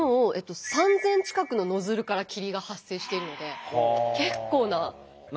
３，０００近くのノズルから霧が発生しているので結構な。